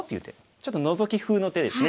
ちょっとノゾキふうの手ですね。